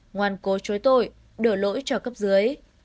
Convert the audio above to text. ngoan cố chối tội đổ lỗi cho cấp dưới